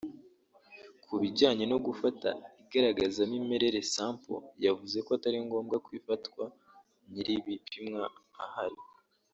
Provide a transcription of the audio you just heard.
Ku bijyanye no gufata igaragazamimerere (sample) yavuze ko atari ngombwa ko ifatwa nyir’ibipimwa ahari